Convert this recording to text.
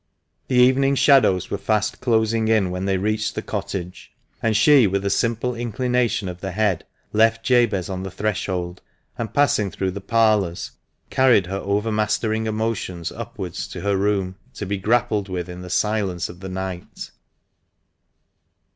The evening shadows were fast closing in when they reached the cottage, and she, with a simple inclination of the head, left Jabez on the threshold, and, passing through the parlours, carried her overmastering emotions upwards to her room, to be grappled with in the silence of the night.